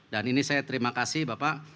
dan ini saya terima kasih bapak